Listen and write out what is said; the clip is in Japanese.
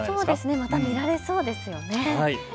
また見られそうですね。